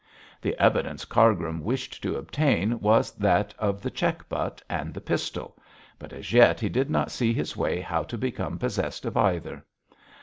The evidence Cargrim wished to obtain was that of the cheque butt and the pistol, but as yet he did not see his way how to become possessed of either.